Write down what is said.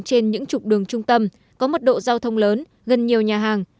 trên những trục đường trung tâm có mật độ giao thông lớn gần nhiều nhà hàng